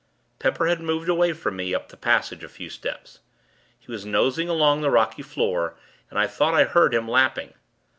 Pepper had moved away from me, up the passage, a few steps; he was nosing along the rocky floor; and I thought I heard him lapping.